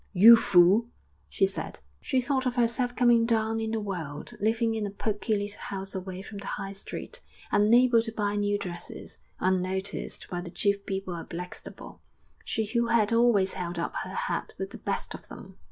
'You fool!' she said. She thought of herself coming down in the world, living in a pokey little house away from the High Street, unable to buy new dresses, unnoticed by the chief people of Blackstable she who had always held up her head with the best of them!